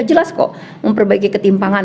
jelas kok memperbaiki ketimpangan